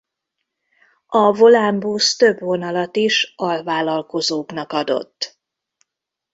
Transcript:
A Volánbusz több vonalat is alvállalkozóknak adott.